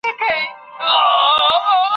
د شیانو نومونه باید زده کړل سي.